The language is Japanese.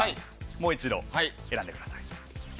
もう一度選んでください。